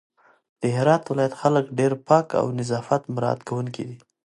د هرات ولايت خلک ډېر پاک او نظافت مرعت کونکي دي